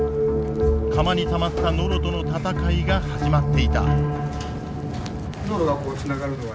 釜にたまったノロとの戦いが始まっていた。